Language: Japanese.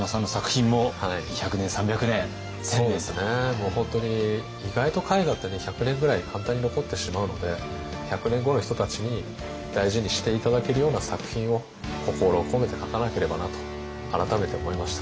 もう本当に意外と絵画ってね１００年ぐらい簡単に残ってしまうので１００年後の人たちに大事にして頂けるような作品を心を込めて描かなければなと改めて思いました。